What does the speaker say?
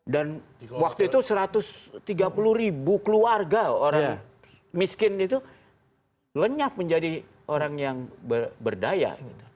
dan waktu itu satu ratus tiga puluh ribu keluarga orang miskin itu lenyap menjadi orang yang berdaya